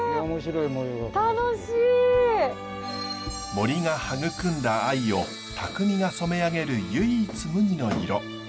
森が育んだ藍を匠が染め上げる唯一無二の色。